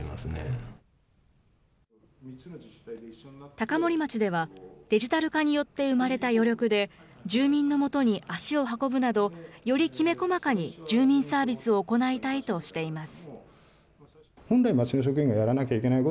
高森町では、デジタル化によって生まれた余力で、住民のもとに足を運ぶなど、よりきめ細かに住民サービスを行いたいとしています。